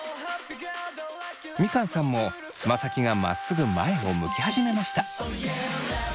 みかんさんもつま先がまっすぐ前を向き始めました。